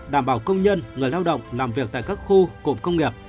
đảm bảo công nhân người lao động làm việc tại các khu cụm công nghiệp